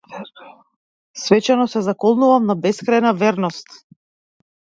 Свечено се заколнувам на бескрајна верност.